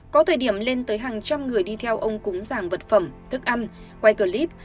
có thời điểm lên tới hàng trăm người đi theo ông cúng giàng vật phẩm thức ăn quay clip